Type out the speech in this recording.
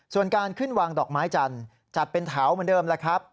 ส่วนการขึ้นวางดอกไม้จันทร์จัดเป็นแถวเหมือนเดิมแล้วครับ